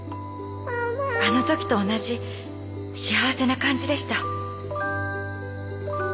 あのときと同じ幸せな感じでした」